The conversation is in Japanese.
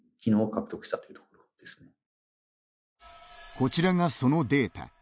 こちらがそのデータ。